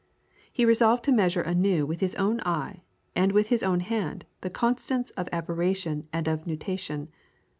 He resolved to measure anew with his own eye and with his own hand the constants of aberration and of nutation.